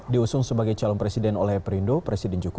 diusung sebagai calon presiden oleh perindo